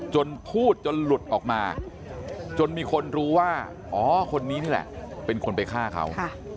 จนพูดจนหลุดออกมาจนมีคนรู้ว่าอ๋อคนนี้นี่แหละเป็นคนไปฆ่าเขา